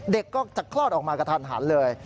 เด็กก็จะคลอดออกมากระทันหันเลย